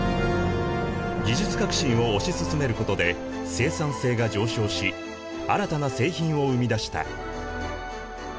技術革新を推し進めることで生産性が上昇し新たな製品を生み出した。